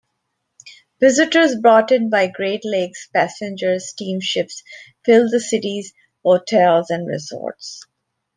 Visitors brought in by Great Lakes passenger steamships filled the city's hotels and resorts.